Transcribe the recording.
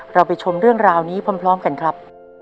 เราไปชมเรื่องราวนี้พร้อมกันครับ